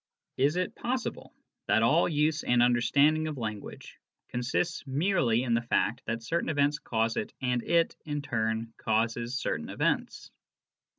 Is it possible that all use and under standing of language consists merely in the fact that certain events cause it, and it, in turn, causes certain events